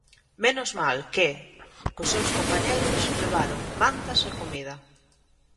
¡Menos mal que, cos seus compañeiros, levaron mantas e comida!